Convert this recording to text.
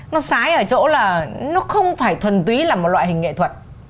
nó sái ở chỗ là nó không phải thuần túy là một loại hình nghệ thuật